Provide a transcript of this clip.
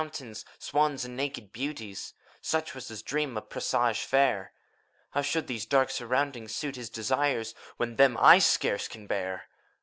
Wood fountains, swans, and naked beauties, Such was his dream of presage fair: How should these dark surroundings suit his Desires, when them / scarce can bear?